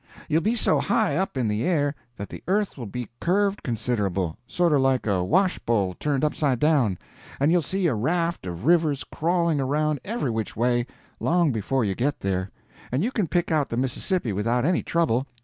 You'll be so high up in the air that the earth will be curved considerable—sorter like a washbowl turned upside down—and you'll see a raft of rivers crawling around every which way, long before you get there, and you can pick out the Mississippi without any trouble.